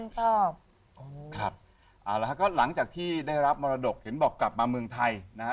ชอบครับเอาละฮะก็หลังจากที่ได้รับมรดกเห็นบอกกลับมาเมืองไทยนะฮะ